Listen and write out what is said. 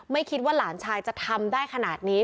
ไม่คิดว่าหลานชายจะทำได้ขนาดนี้